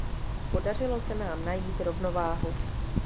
Podařilo se nám najít rovnováhu.